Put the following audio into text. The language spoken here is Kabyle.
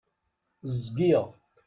Gziɣ.